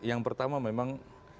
yang pertama memang